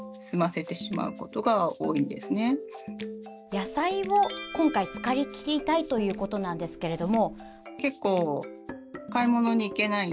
野菜を今回使い切りたいということなんですけども。